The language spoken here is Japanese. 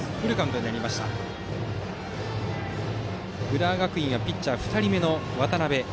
浦和学院はピッチャーが２人目の渡邉。